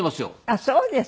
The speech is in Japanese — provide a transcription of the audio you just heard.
あっそうですか。